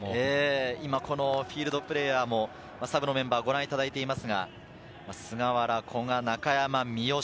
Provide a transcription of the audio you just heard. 今、フィールドプレーヤーもサブのメンバーをご覧いただいていますが。